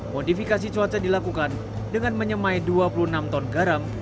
modifikasi cuaca dilakukan dengan menyemai dua puluh enam ton garam